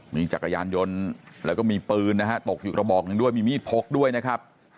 มีจักรยานยนต์แล้วก็มีปืนนะฮะตกอยู่กระบอกหนึ่งด้วยมีมีดพกด้วยนะครับ